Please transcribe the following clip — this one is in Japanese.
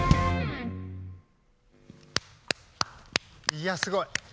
いやすごい！